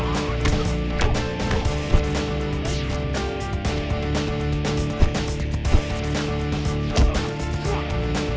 guys kabur kabur